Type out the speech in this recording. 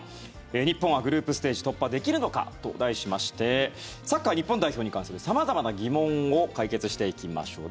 日本はグループステージ突破できるのか？と題しましてサッカー日本代表に関する様々な疑問を解決していきましょう。